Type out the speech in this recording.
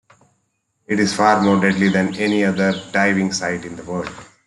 It is far more deadly than any other diving site in the world.